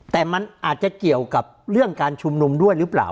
แต่มันอาจจะเกี่ยวกับเรื่องการชุมนุมด้วยหรือเปล่า